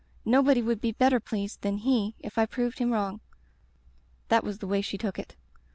Nobody would be better pleased than he if I proved him wrong.' That was the way she took it.